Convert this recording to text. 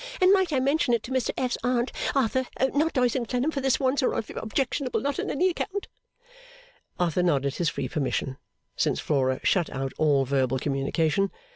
and might I mention it to Mr F.'s Aunt Arthur not Doyce and Clennam for this once or if objectionable not on any account.' Arthur nodded his free permission, since Flora shut out all verbal communication.